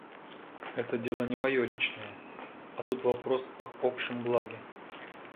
Это дело не мое личное, а тут вопрос об общем благе.